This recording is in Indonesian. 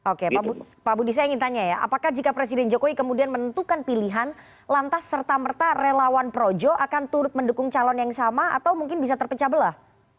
oke pak budi saya ingin tanya ya apakah jika presiden jokowi kemudian menentukan pilihan lantas serta merta relawan projo akan turut mendukung calon yang sama atau mungkin bisa terpecah belah